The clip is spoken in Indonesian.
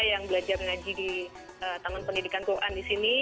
yang belajar ngaji di taman pendidikan quran disini